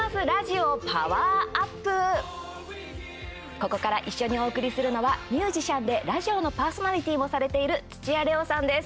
ここから一緒にお送りするのはミュージシャンでラジオのパーソナリティーもされている土屋礼央さんです。